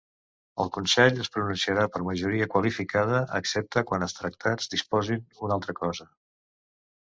El Consell es pronunciarà per majoria qualificada, excepte quan els Tractats disposin una altra cosa.